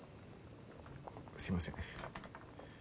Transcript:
すいません。